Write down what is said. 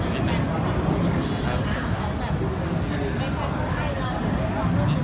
ดีอะไรแบบนี้ครับ